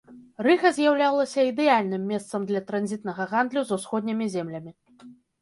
Рыга з'яўлялася ідэальным месцам для транзітнага гандлю з усходнімі землямі.